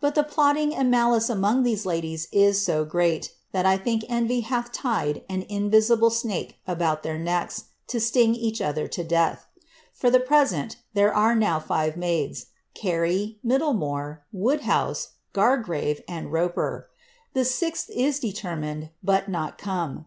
But the plotting and malice amon^ these ladies is so great, that I think envy hath tied nn invisible »nakf about their necks, lo sling each other to death. For the present, there are now five maids, Carey, Middlemore, Womlhouse. Gaigrave. and Koper; the sixth is ilelermined, but nol come.